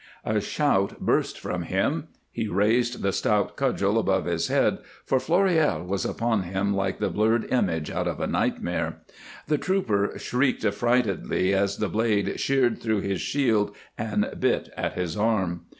A shout burst from him; he raised the stout cudgel above his head, for Floréal was upon him like the blurred image out of a nightmare. The trooper shrieked affrightedly as the blade sheared through his shield and bit at his arm.